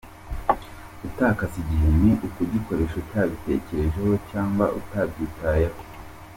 Gutakaza igihe ni ukugikoresha utabitekerejeho cyangwa utabyitayeho.